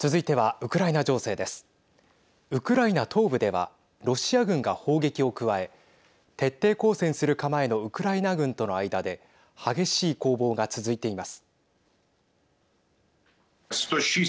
ウクライナ東部ではロシア軍が砲撃を加え徹底抗戦する構えのウクライナ軍との間で激しい攻防が続いています。